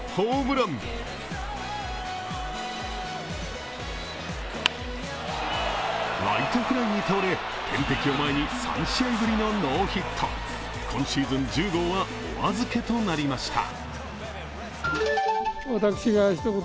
ライトフライに倒れ天敵を前に３試合ぶりのノーヒット今シーズン１０号はお預けとなりました。